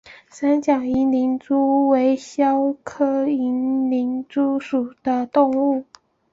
三角银鳞蛛为肖鞘科银鳞蛛属的动物。